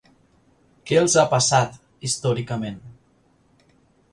Què els ha passat, històricament?